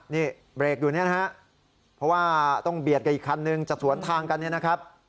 นี่เบรกอยู่เนี่ยนะฮะเพราะว่าต้องเบียดกับอีกคันนึงจะสวนทางกันเนี่ยนะครับ